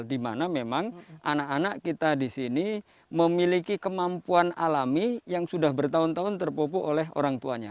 dimana memang anak anak kita di sini memiliki kemampuan alami yang sudah bertahun tahun terpupuk oleh orang tuanya